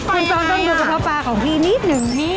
คุณสองต้องดูข้าวปลาของพี่นิดหนึ่ง